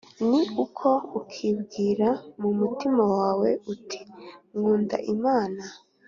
Ni uko ukibwira mu mutima wawe uti Nkunda Imana